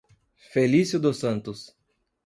Felício dos Santos